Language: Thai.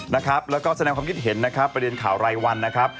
นะครับแล้วก็แสดงความคิดเห็นนะครับประเด็นข่าวรายวันนะครับ